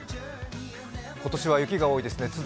今年は雪が多いですね。